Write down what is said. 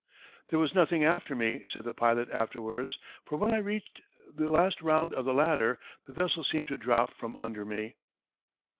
"There was nothing after me," said the pilot afterwards, "for when I reached the last round of the ladder, the vessel seemed to drop from under me."